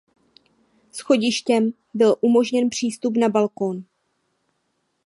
Schodištěm byl umožněn přístup na balkón.